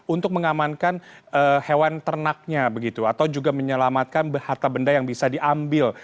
untuk mengamankan hewan ternaknya begitu atau juga menyelamatkan harta benda yang bisa diambil